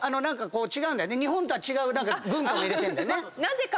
日本とは違う文化も入れてるんだよね。